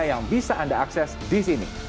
yang bisa anda akses di sini